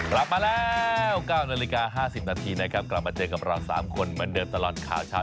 กลับมาแล้ว๙นาฬิกา๕๐นาทีนะครับกลับมาเจอกับเรา๓คนเหมือนเดิมตลอดข่าวเช้า